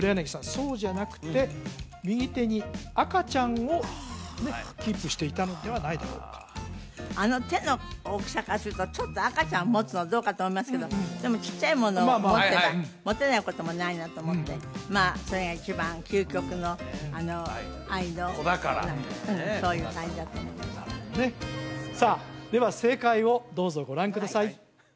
そうじゃなくて右手に赤ちゃんをねっキープしていたのではないだろうかあの手の大きさからするとちょっと赤ちゃんを持つのどうかと思いますけどでもちっちゃいものを持てば持てないこともないなと思ってまあそれが一番究極の愛の子宝そういう感じだと思いましたなるほどねさあでは正解をどうぞご覧ください